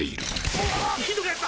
うわひどくなった！